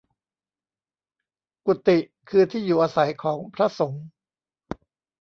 กุฎิ คือที่อยู่อาศัยของพระสงฆ์